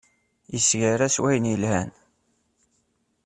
Yessegra s wayen yelhan